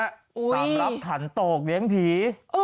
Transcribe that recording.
สำหรับขันโตกเลี้ยงผี